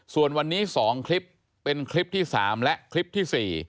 ส่วนวันนี้๒คลิปเป็นคลิปที่๓และคลิปที่๔